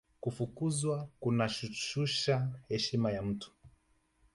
kufukuzwa kunashusha heshima ya mtu